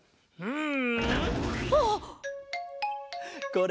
うん。